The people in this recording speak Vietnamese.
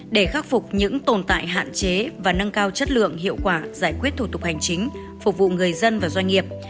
để khắc phục những tồn tại hạn chế và nâng cao chất lượng hiệu quả giải quyết thủ tục hành chính phục vụ người dân và doanh nghiệp